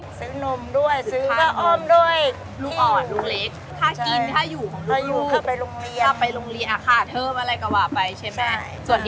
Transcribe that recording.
ซื้อนมด้วยซื้อข้าวอ้อมด้วย